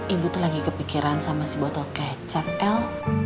ibu tuh lagi kepikiran sama si botol kecap l